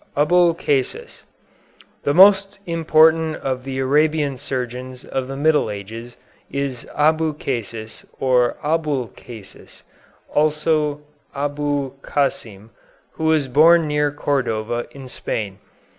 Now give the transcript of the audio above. ABULCASIS The most important of the Arabian surgeons of the Middle Ages is Albucasis or Abulcasis, also Abulkasim, who was born near Cordova, in Spain.